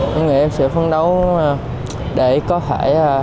một ngày em sẽ phấn đấu để có thể